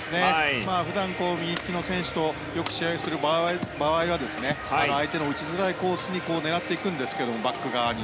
普段、右利きの選手とよく試合をする場合は相手の打ちづらいコースを狙っていくんですけれどもバック側に。